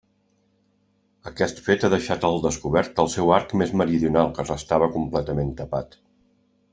Aquest fet ha deixat al descobert el seu arc més meridional, que restava completament tapat.